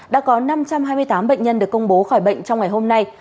đã có năm trăm hai mươi tám bệnh nhân được công bố khỏi bệnh trong ngày hôm nay